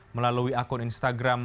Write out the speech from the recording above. melalui akun instagram